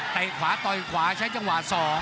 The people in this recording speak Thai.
ขวาต่อยขวาใช้จังหวะ๒